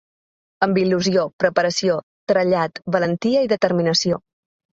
Amb il·lusió, preparació, trellat, valentia i determinació.